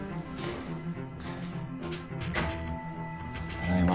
ただいま。